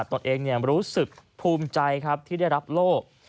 ตนเองรู้สึกภูมิใจที่ได้รับโลก